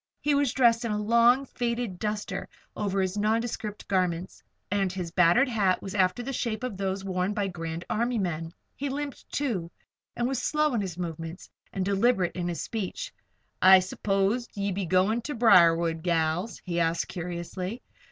He was dressed in a long, faded "duster" over his other nondescript garments, and his battered hat was after the shape of those worn by Grand Army men. He limped, too, and was slow in his movements and deliberate in his speech. "I s'pose ye be goin' ter Briarwood, gals?" he added, curiously.